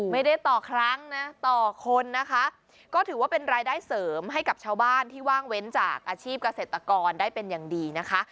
ไม่ได้ต่อครั้งนะต่อคนนะคะก็ถือว่าเป็นรายได้เสริมให้กับชาวบ้านที่ว่างเว้นจากอาชีพเกษตรกรได้เป็นอย่างดีนะคะ